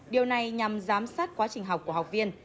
điều này nhằm giám sát quá trình học của học viên